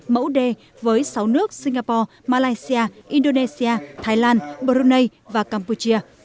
mẫu đê với sáu nước singapore malaysia indonesia thái lan brunei và campuchia